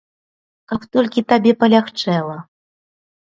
Каб толькі табе палягчэла.